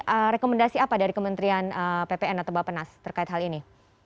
nah ini rekomendasi apa dari kementerian ppn atau bapnas terkait hal ini